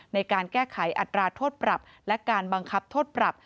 ในการแก้ไขอัตราโทษปรับและการบังคับโทษปรับ